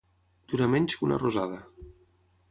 Durar menys que una rosada.